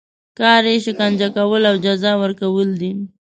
کار یې شکنجه کول او جزا ورکول دي.